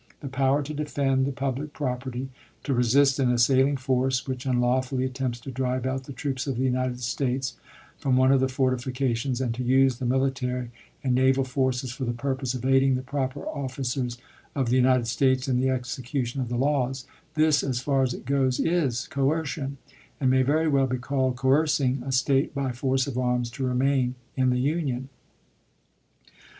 The power to defend the public property, to resist an assailing force which unlawfully attempts to drive out the troops of the United States from one of the fortifica tions, and to use the military and naval forces for the pur »Memoran pose of aiding the proper officers of the United States in qi^d."in the execution of the laws — this, as far as it goes, is coer Black, "Es cion, and may very well be called " coercing a State by speeches," force of arms to remain in the Union."